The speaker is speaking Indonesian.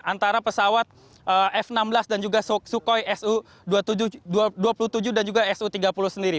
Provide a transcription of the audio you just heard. antara pesawat f enam belas dan juga sukhoi su dua puluh tujuh dan juga su tiga puluh sendiri